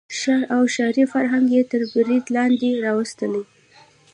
ښار او ښاري فرهنګ یې تر برید لاندې راوستلی.